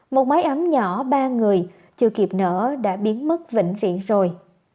một máy ấm nhỏ ba người chưa kịp nở đã biến mất vĩnh viễn rồi